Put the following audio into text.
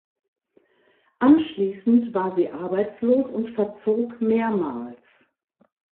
Anschließend war sie arbeitslos und verzog mehrmals.